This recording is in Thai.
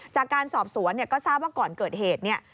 จากการสอบสวนเนี่ยก็ทราบว่าก่อนเกิดเหตุเนี่ย